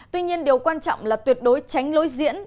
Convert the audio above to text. tuy nhiên điều quan trọng là tuyệt đối tránh lối diễn